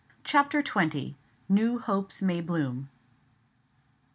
CHAPTER XX. NEW HOPES MAY BLOOM.